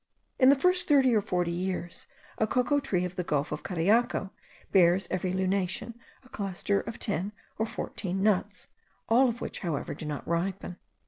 In the first thirty or forty years, a cocoa tree of the gulf of Cariaco bears every lunation a cluster of ten or fourteen nuts, all of which, however, do not ripen.